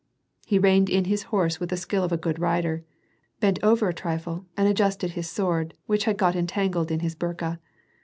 He reined in his horse with the skill of a good rider, bent over a trifle, and adjusted his sword, which had got entangled in his burka.